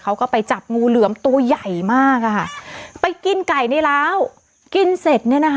เขาก็ไปจับงูเหลือมตัวใหญ่มากอ่ะค่ะไปกินไก่ในร้าวกินเสร็จเนี่ยนะคะ